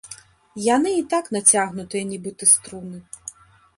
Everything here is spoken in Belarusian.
Яны і так нацягнутыя, нібыта струны.